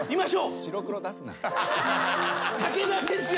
白黒出すな。